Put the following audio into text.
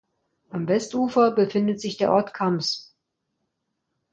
Am Westufer befindet sich der Ort Cambs.